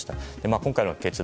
今回の決断